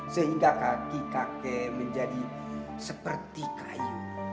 sehingga kaki kakek menjadi seperti kayu